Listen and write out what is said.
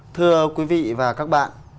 thưa quý vị và các bạn